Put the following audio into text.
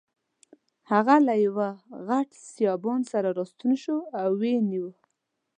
هغه له یوه غټ سایبان سره راستون شو او ویې نیو.